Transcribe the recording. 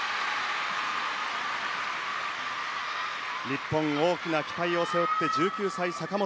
日本大きな期待を背負って１９歳坂本。